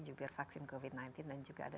jubir vaksin covid sembilan belas dan juga ada